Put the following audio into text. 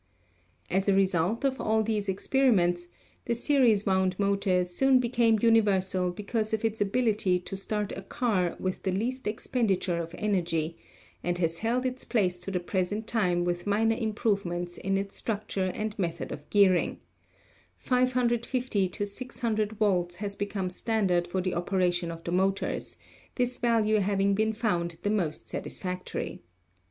As a result of all these experiments the series wound motor soon became universal because of its ability to start a car with the least expenditure of energy, and has held its place to the present time with minor improvements in its structure and method of gearing; 550 600 volts has become standard for the operation of the motors, this value having been found the most satisfactory.